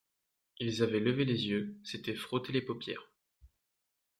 Ils avaient levé les yeux, s’étaient frottés les paupières.